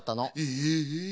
ええ。